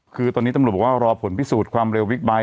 คือตอนนี้ตำรวจบอกว่ารอผลพิสูจน์ความเร็วบิ๊กไบท